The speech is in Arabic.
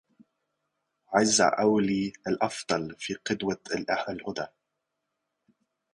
عزاء أولي الأفضال في قدوة الهدى